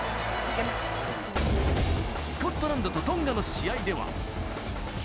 スコットランドとトンガの試合では。